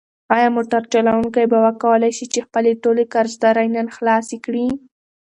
ایا موټر چلونکی به وکولی شي چې خپلې ټولې قرضدارۍ نن خلاصې کړي؟